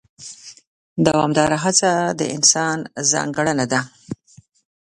دوامداره هڅه د انسان ځانګړنه ده.